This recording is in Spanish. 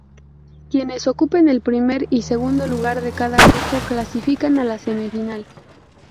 Quienes ocupen el primer y segundo lugar de cada grupo clasifican a la semifinal.